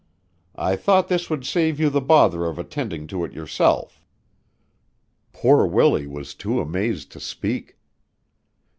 I thought this would save you the bother of attending to it yourself." Poor Willie was too amazed to speak.